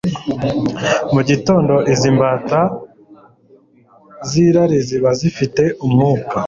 Mu gitondo, izi mbata z’irari ziba zifite umwuka